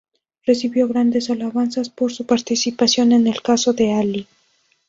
Recibió grandes alabanzas por su participación en el caso de Ali.